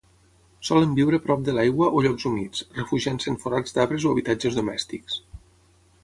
Solen viure prop de l'aigua o llocs humits, refugiant-se en forats d'arbres o habitatges domèstics.